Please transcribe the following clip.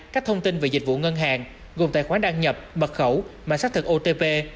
các thông tin về dịch vụ ngân hàng gồm tài khoản đăng nhập mật khẩu mà xác thực otp